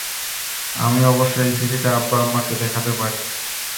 আমি অবশ্য এই চিঠিটা আব্বা-আম্মাকে দেখাতে পারি।